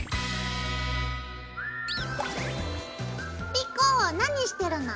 莉子何してるの？